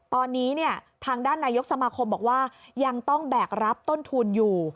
ตอนนี้ทางด้านนายกสมาคมบอกว่ายังต้องแบกรับต้นทุนอยู่